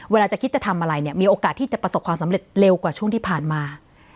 จะคิดจะทำอะไรเนี่ยมีโอกาสที่จะประสบความสำเร็จเร็วกว่าช่วงที่ผ่านมา